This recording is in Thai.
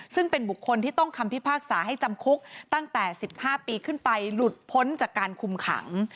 ซึ่งเป็นบุคคลที่ต้องคำพิพากษาให้จำคุกตั้งแต่๑๕ปีขึ้นไปหลุดพ้นจากการคุมขัง